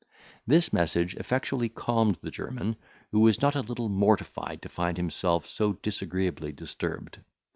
This message effectually calmed the German, who was not a little mortified to find himself so disagreeably disturbed.